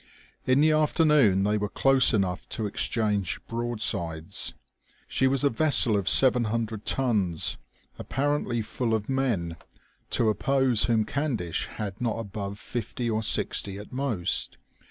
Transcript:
In the afternoon they were close enough to exchange broadsides. She was a vessel of 700 tons, apparently full of men, to oppose whom Candish had not above fifty or sixty at most.